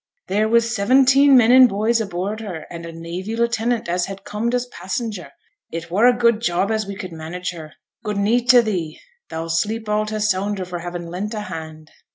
'There was seventeen men and boys aboard her, and a navy lieutenant as had comed as passenger. It were a good job as we could manage her. Good neet to thee, thou'll sleep all t' sounder for havin' lent a hand.'